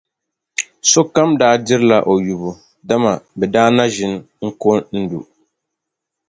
Sokam daa dirila o yubu, dama bɛ na ʒi n-ko n-lu.